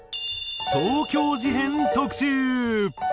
東京事変特集。